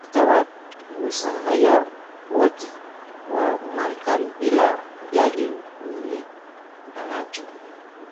itawagusa raia wote wa marekani bila kujali mwenye anacho